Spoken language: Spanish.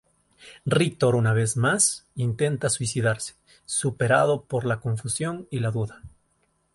Rictor una vez más, intenta suicidarse, superado por la confusión y la duda.